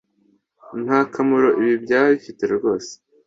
ntakamaro ibi byaba bifite rwose